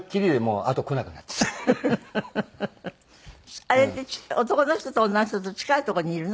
あれって男の人と女の人と近いとこにいるの？